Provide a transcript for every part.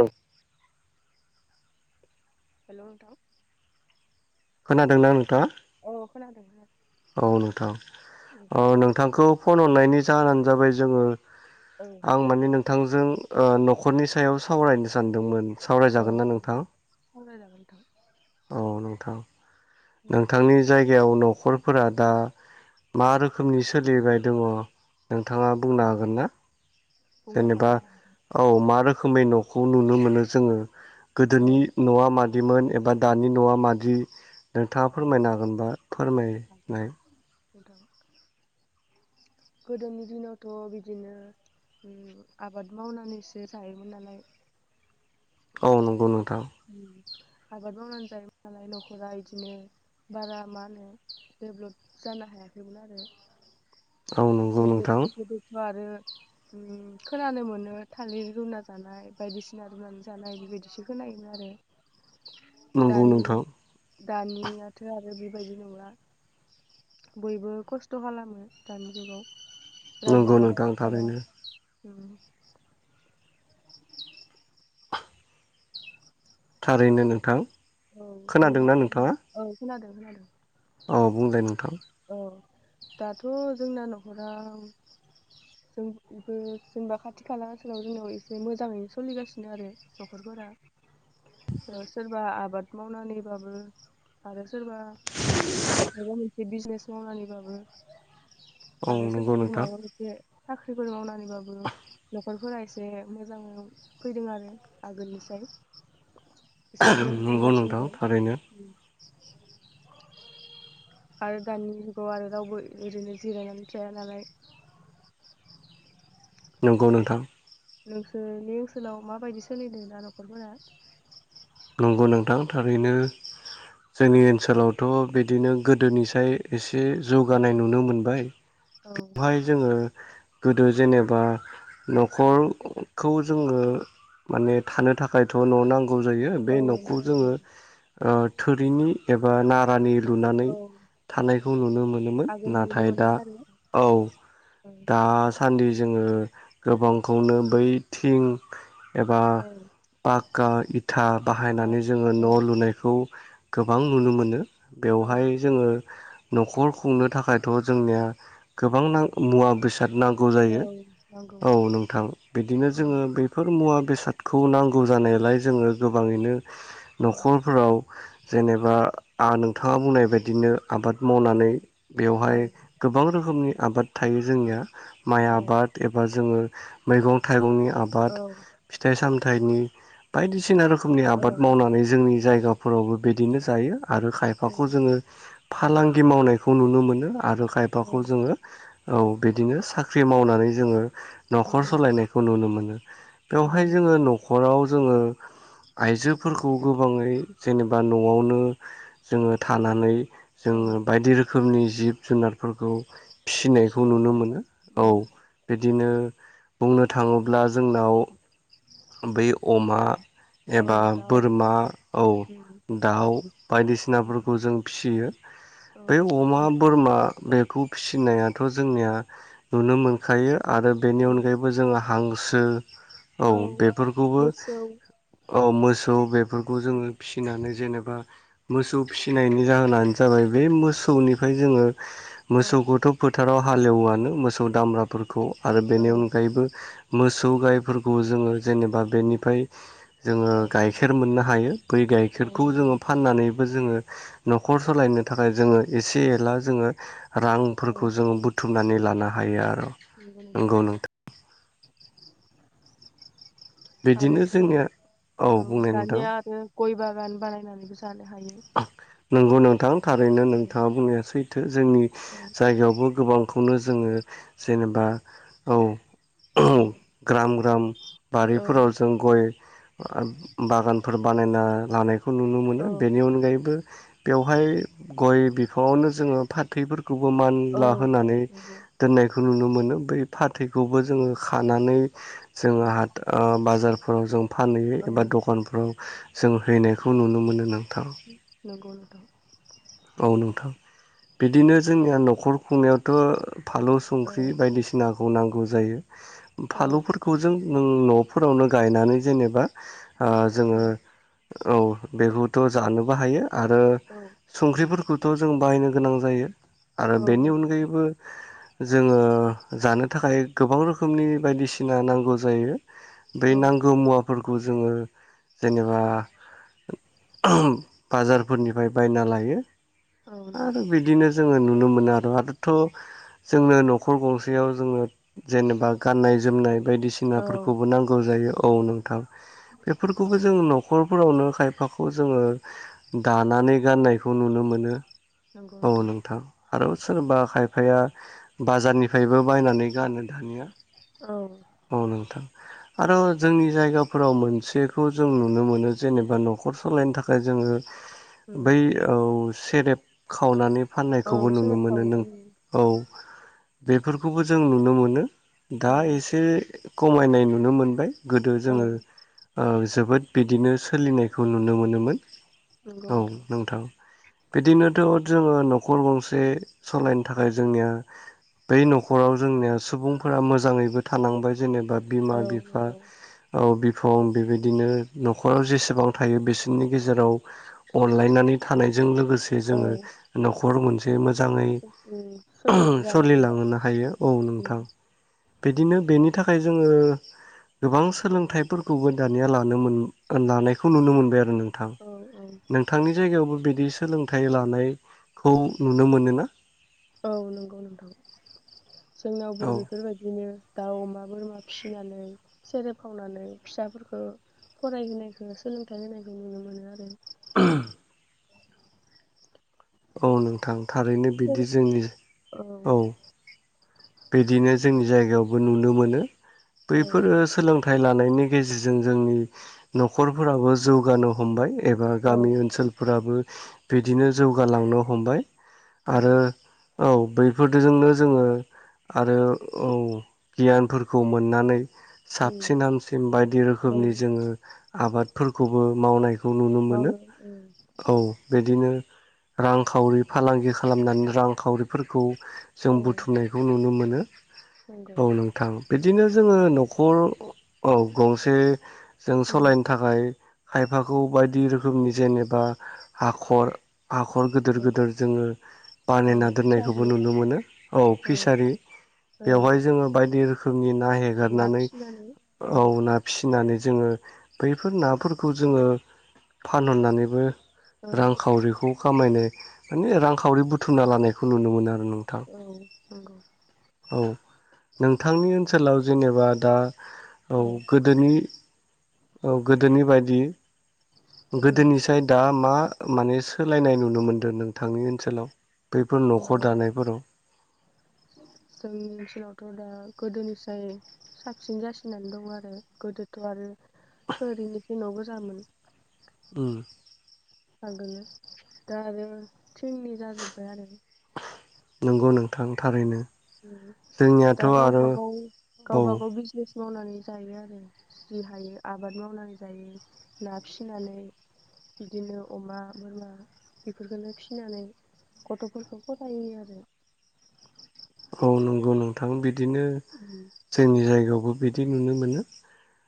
औ [unintelligible] हेल' नोंथां खोनादों ना नोंथाङा? अ खोनादों नोंथां। औ नोंथां औ ओ नोंथांखौ फन ह खुंनायनि जाहोनानो जाबाय जोङो आं माने नों थांजों ओ न'खरनि सायाव सावरायनो सानदोंमोन। औ सावरायजागोन ना नोंथां सावरायजागोन औ नों थां [unintelligible] नोंथां नोंथांनि जायगायाव न' न'खरफोरा दा मा रोखोमनि सोलिबाय दङ? नोंथाङा बुंनो हागोन ना? बुंनो जेनेबा हागोन औ मा रोखोमै न' खौ नुनो मोनो जोङो। औ गोदोनि न'आ मान बिदिमोन एबा दानि न'आ मादि नोंथाङा फोरमायनो हागोन हांगोनबा फोरमायनाय। गोदोनि दिनावथ' बिदिनो उम आबाद मावनानैसो जायोमोन नालाय। औ नंगौ नों उम। आबाद मावनानै जायोमोन नालाय न'खरा इदिनो बारा मा होनो डेभ्लप जानो हायाखैमोन आरो। औ नंगौ नोंथां गोदो-गोदोथ' आरो उम खोनानो मोनो थालिर रुना जानाय बायदिसिना रुनानै जानाय बेबायदिसो खोनायोमोन आरो। नंगौ दानि नोंथां। दानियाथ' आरो बेबायदि नंला। बयबो खस्थ' खालामो दानि जुगाव। रावबो नोंगौ नोंथां राननानै थाया थारैनो। उम। थारैनो नोंथां औ खोनादोंना जोंनावथ' नोंथाङा औ खोनादों बि [unintelligible] आरो औ बुंलाय नोंथां औ दाथ जोंना नखरा जोंबो जेनबा खाथि खाला सोराव जोंनाव एसे मोजाङैनो सोलिगासिनो आरो नखरफोरा सोरबा आबाद मावनानैबाबो आरो सोरबा माबा बे बिजनेस मावनानैबाबो औ आरोसो नंगौ ज नोंथां माबदि [unintelligible] साख्रिफोर मावनानैबाबो नखरफोरा एसे मोजां फैदों आरो आगोलनिसाय एसे ग्रोम ग्रोम नंगौ नोंथां जासिनदों थारैनो आरो दानि जुगाव आरो रावबो ओरैनो जिरायनानै थाया नालाय नंगौ नोंथां नोंसोरनि ओनसोलाव माबायदि सोलिदों दा नखरफोरा नंगौ नोंथां थारैनो जोंनि ओनसोलावथ बिदिनो गोदोनिसाय एसे एसे जौगानाय औ नुनो मोनबाय औ बेवहाय जोङो गोदो जेनेबा नखर खौ जोङो माने थानो थाखायथ न नांगौ जायो बे औ नखौ जोङो नंगौ ओ थोरिनि एबा नारानि लुनानै औ थानायखौ नुनो मोनोमोन आगोल नुनो नाथाय दा मोनोमोन आरो औ औ दा सान्दि जोङो गोबांखौनो बैथिं एबा औ पाक्का इथा बाहायनानै जोङो औ न लुनायखौ गोबां नुनो मोनो औ बेवहाय जोङो नखर खुंनो थाखायथ जोंनिया गोबां मुवा बेसाद नांगौ औ जायो नंगौ औ नोंथां बिदिनो जोङो बेफोर मुवा बेसादखौ नांगौ जानायालाय जोङो गो गोबाङैनो औ नखरफोराव जेनेबा आ नोंथाङा बुंनाय बायदि बिदिनो आबाद मावनानै औ बेवहाय गोबां रोखोमनि आबाद थायो जोंनिया माइ औ आबाद एबा जोङो मैगं थाइगंनि आबाद औ फिथाइ साम थानि बायदिसिना रोखोम रोखोमनि आबाद मावनानै जोंनि जायगा फोरावबो बिदिनो जायो आरो खायफाखौ जोङो फालांगि मावनायखौ नुनो मोनो आरो औ खायफाखौ जोङो औ बिदिनो साख्रि मावनानै जोङो न'खर औ सलायनायखौ नुनो मोनो औ बेवहाय जोङो न'खराव जोङो आइजोफोरखौ गोबाङै जेनेबा न'आवनो जोङो थानानै औ जोङो बायदि रोखोमनि जिब जुनारफोरखौ फिनायखौ नुनो मोनो औ बिदिनो बुंनो थाङोब्ला जोंनाव बै अमा औ एबा दाउ बोरमा उम औ दाउ उम बायदिसिनाफोरखौ जों फिसियो औ बे अमा औ बोरमा बेखौ फिसिनायाथ' जोंनिया नुनो मोनखायो आरो बेनि औ अनगायैबो जोंहा हांसो औ बेफोरखौबो मोसौ औ मोसौ बेफोरखौ जोङो उम फिसिनानै जेनेबा मोसौ फिसिनायनि जाहोनानो जाबाय बे मोसौनिफ्राय जोङो औ मोसौखौथ' फोथाराव हालेवओयानो मोसौ दामब्राफोरखौ आरो औ बेनि अनगायैबो मोसौ गायफोरखौ जोङो जेनेबा बेनिफ्राय जोङो औ गाइखेर मोननो हायो बै औ गाइखेरखौ नंगौ जोङो नोंथां फाननानैबो जोङो न'खर सलायनो थाखाय जोङो एसे एला जोङो औ रांफोरखौ जोङो बुथुमनानै लानो हायो आर औ नंगौ नोंथां। बिदिनो आरोथ' जोंनिया औ बुंनाय नोंथां दानिया आरो गय बागान बानायनानैबो जानो हायो नंगौ नोंथां थारैनो औ नोंथाङा बुंनाया सै जोंनि औ जायगायावबो गोबां खौनो जोङो जेनेबा औ। उम ग्राम ग्राम बारिफोराव जों गय बागान फोर बानायना लानाय खौ नुनो औ मोनो। बेनि अनगायैबो बेवहाय गय फावनो जोङो फाथैफोरखौ खौबो औ मानला होनानै नंगौ दोननायखौ नुनो मोनो। मोनो बै फाथैखौबो जोङो खानानै जोङो हा ओ बाजारफोराव जों फानहैयो औ एबा दखानफ्राव जों हैनायखौ नुनो मोनो ना? नंगौ नों औ नोंथां बिदिनो जोंनिया न'खर खुंनायावथ' फालौ औ संख्रि बायदिसिना खौ नांगौ जायो। औ फालौफोरखौ जों न'फोरावनो गायनानै जेनेबा आ जोङो औ बेहुद थ' जानोबो हायो। आरो औ संख्रिफोरखौथ' जों बाहायनो गोनां जायो आरो औ बेनि नंगौ अनगायैबो जोङो जानो थाखाय गोबां रोखोम रोखोमनि बायदिसिना नांगौ जायो। बै नोंथां नांगौ मुवाफोरखौ जोङो जेनेबा बाजारफोरनिफ्राय बायनालाय [inaudible] आरो औ बिदिनो जोङो नु नुनो मोनो आरो आरोथ' जोंङो न'खर गंसेयाव जोङो। जेनेबा गाननाय जोमनाय औ नंगौ औ बायदिसिनाफोरखौबो नांगौ जायो। औ नोंथां। बेफोरखौबो औ जों न'खर फोरावनो खायफाखौ जोङो दानानै गाननाय बेखौ नुनो मोनो। औ नोंथां। आरो सोरबा खायफाया बाजारनिफ्रायबो बायनानै गानो। दानिया, औ औ नोंथां। आरो जोंनि जायगाफोराव मोनसेखौ जों नुनो मोनो जेनेबा न'खर सालायनो थाखाय जोङो। उम। जौ सेरेब खावनानै औ फाननायखौबो नुनो सोदोब मोनो खावो नों उम औ बेफोरखौबो जों नु नो मोनो। दा औ एसे खमायनाय नुनो मोनबाय। गोदो औ जोङो ओ जोबोद बिदिनो सोलिनायखौ नुनो मोनोमोन। औ नोंथां। बिदिनोथ' जोङो न'खर गंसे सलायनो थाखाय जोंनिया बै न'खराव जोंनिया सुबुंफोरा मोजाङैबो थानांबाय जेनेबा औ बिमा-बिफा नंगौ औ बिब बिफं बेबायदिनो न'खराव जेसेबां थायो बिसो रनि गेजेराव अनलायनानै थानाय जों लोगोसे औ जोङो न'खर मोनसे [inaudible] मोजाङै उम सोलिनो जानो हायो सोलिलांहोनो हायो औ उम नोंथां। बिदिनो बेनि थाखाय जोङो गोबां सोलोंथाइफोरखौबो दानिया लानो मोन, लानायखौ नुनो मोनबाय आरो नों थां औ नोंथांनि जायगायावबो बिदि सोलोंथाइ लानाय खौ नुनो मोनोना? औ नंगौ नोंथां। जोंनावबो औ बेफोरबायदिनो दाउ, अमा, बोरमा फिसिनानै सेरेब खावनानै फिसाफोरखौ फरायहोनायखौ, सोलोंथाइ होनायखौ नुनो मोनो आरो। [inaudible] औ नोंथां। थारैनो सेर बिदि जोंनि, औ बिदिनो जोंनि जायगायावबो नुनो मोनो। औ बैफोरो सोलों थाय लानायनि गेजेरजों जोंनि न'खरफोराबो जौगानो हमबाय। एबा औ गामि ओनसोलफोराबो बिदिनो जौगालांनो हमबाय। औ आरो औ बैफोरदोजोंनो जोङो आरो औ गियानफोरखौ मोन्नानै उम साबसिन हामसिन बायदि औ रोखोमनि जोङो आबादफोरखौबो मावनाय खौ नुनो मोनो मावनो उम औ बिदिनो रांखावरि फालांगि खालामनानै रांखावरिफोरखौ जों औ बुथुमनायखौ नुनो मोनो। नंगौ औ नोंथां बिदिनो जोङो न'ख खर औ गंसे जों उम सलायनो थाखाय खायफाखौ बायदि रोखोमनि जेनेबा हाखर हाखर गोदोर औ गोदोर जोङो औ बानायना दोननायखौबो फिसारि नुनो मोनो औ। फिसारि औ बेवहाय जोङो बायदि रोख नि ना ना हेगारनानै फिसिनानै औ ना फिसिनानै जोङो बैफोर नाफोरखौ जोङो फानहरनानैबो औ रांखावरिखौ खामायनाय माने रांखावरि बुथुमना लानायखौ नुनो मोनो आर औ औ नोंथांनि ओनसोलाव जेनेबा दा औ गोदोनि औ गोदोनि बायदि गोदोनि साइदआ मा माने सोलायनाय नुनो मोनदों नोंथांनि ओनसोलाव बैफोर अ न'खर दानायफोराव जोंनि ओनसोलावथ' दा गोदोनिफ्राय साबसिन जासिनानै दं आरो गोदोथ' आरो थोरिनि न' गोजामोन। उम आगोलो दा आरो थिंनि जाजोबबाय आरो नोंगौ नोंथां थारैनो। उम जोंनियाथ' दा आरो गावबा-गाव औ गावबा-गाव बिजनेस मावनानै जायो आरो जि हायो आबाद मावनानै जायो ना फिसिनानै बिदिनो अमा, बोरमा बेफोरखोनो फिनानै गथ'फोरखौ फराय होयो आरो। औ नंगौ नोंथां बिद - दिनो जोंनि जायगायावबो बिदि नुनो मोनो।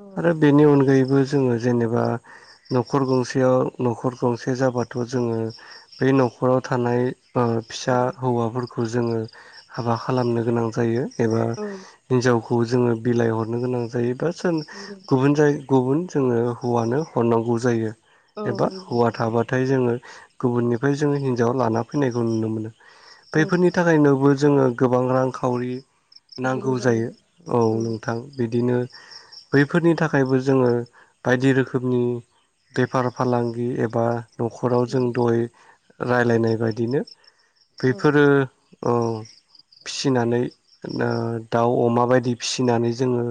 औ आरो बेनि अनगायैबो जोङो जेनेबा न'खर गंसेयाव न'खर गंसे जाबाथ' जोङो बै न'खराव थानाय ओ फिसा हौवाफोर खौ जोङो हाबा खालामनो गोनां जायो। एबा औ नंगौ औ हिनजाव खौ जोङो बिलाइ हरनो गोनां जायोबा सोन नंगौ गुबुन जाय गुबुन जोङो हौवानो हरनांगौ जायो। औ एबा नंगौ हौवा थाबाथ थाय जोङो गुबुननिफाय जोङो हिन्जाव लाना फैनायखौ नुनो मोनो। औ बेफोरनि थाखायनोबो जोङो गोबां रांखावरि नांगौ जायो औ उम नोंथां बिदिनो बैफोरनि थाखायबो जोङो बायदि रोखोमनि बेफार - फालांगि एबा न'खराव जों उम दय राय्लायनाय बायदिनो औ बेफोरो औ फिसिनानै ना दाउ, अमा बायदि फिसिनानै जोङो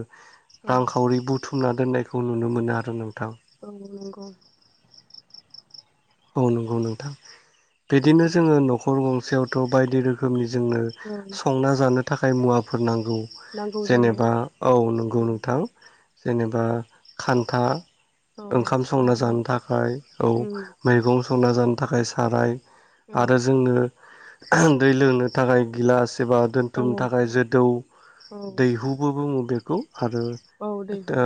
औ रांखावरि बुथुमनान दोननायखौ नुनो मोना औ नोंगौ। औ नंगौ नोंथां बिदिनो जोङो न'खर गंसेयावथ' बायदि रोखोमनि जोंनो औ संना जानो थाखाय जाय मुवाफोर नांग गौ नांगौ जायो जेनेबा औ नंगौ उम नोंथां। जेनेबा खान्था औ ओंखाम संना साराय जानो थाखाय औ उम मेगं संना जानो थाखाय साराय औ आरो जोंनो दै लोंनो थाखाय गिलास एबा औ दोन्थुमनो थाखाय जोदौ औ दैहुबो बुङो बे खौ आरो औ दैहु दा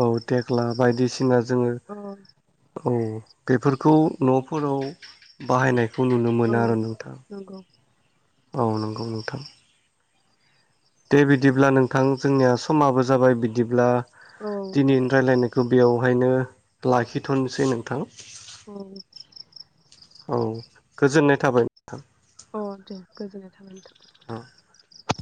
औ थेख्ला बायदिसि सिना जोङो औ औ बेफोरखौ न'फोराव बाहायनाय खौ नुनो औ मोनो आरो नोंथां नंगौ औ नंगौ नोंथां दे बिदिब्ला नोंथां जोंनिया समाबो जाबाय बिदिब्ला औ दिनै रायलायनायखौ बियावहायनो लाखिथ'नोसै नोंथां औ औ गोजोननाय थाबाय अ दे गोजोननाय थाबाय नोंथां